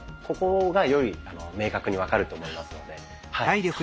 ここがより明確に分かると思いますのではい。